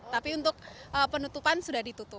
tapi untuk penutupan sudah ditutup